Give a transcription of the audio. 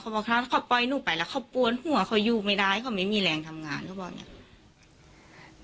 บอกถ้าเขาปล่อยหนูไปแล้วเขาปวนหัวเขาอยู่ไม่ได้เขาไม่มีแรงทำงานเขาบอกอย่างนี้